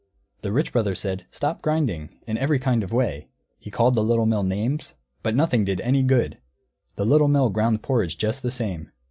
The Rich Brother said, "Stop grinding," in every kind of way; he called the Little Mill names; but nothing did any good. The Little Mill ground porridge just the same.